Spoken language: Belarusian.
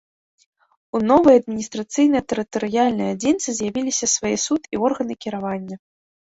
У новай адміністрацыйна-тэрытарыяльнай адзінцы з'явіліся свае суд і органы кіравання.